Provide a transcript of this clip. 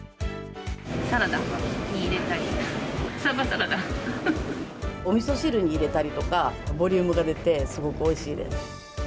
サラダに入れたり、サバサラおみそ汁に入れたりとか、ボリュームが出てすごくおいしいです。